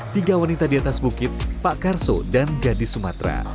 tiga wanita di atas bukit pak karso dan gadis sumatera